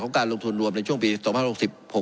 การลงทุนรวมในช่วงปี๒๐๖๖